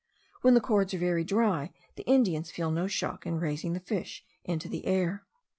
When the cords are very dry the Indians feel no shock in raising the fish into the air.